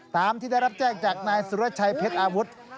ตามที่ได้รับแจ้งจากนายสุรชัยเพชรอาวุธ